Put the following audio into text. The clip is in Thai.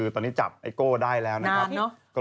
ตอนนี้จับไอ้โก้ได้แล้วนะครับ